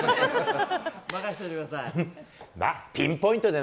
任しておいてください。